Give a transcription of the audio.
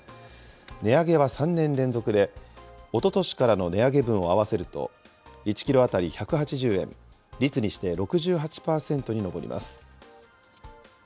値上げは３年連続で、おととしからの値上げ分を合わせると、１キロ当たり１８０円、率にして６８％に上ります。